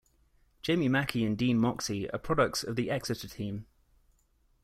Jamie Mackie and Dean Moxey are products of the Exeter team.